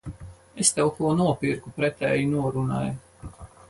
Es tev ko nopirku pretēji norunai.